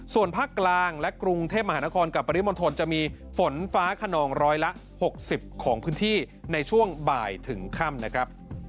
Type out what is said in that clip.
ส่วนภาคกลางและกรุงเทพมหานครกับปริมณฑลจะมีฝนฟ้าขนองร้อยละ๖๐ของพื้นที่ในช่วงบ่ายถึงค่ำนะครับ